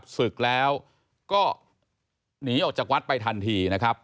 ศึกแล้วก็หนีออกจากวัดไปทันทีนะครับ